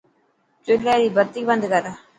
چلي ري بتي بند ڪر.